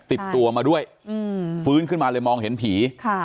ติดตัวมาด้วยฟื้นขึ้นมาเลยมองเห็นผี